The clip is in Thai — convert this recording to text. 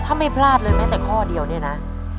ถ้าไม่พลาดเลยแม้แต่ข้อเดียวเนี่ยนะ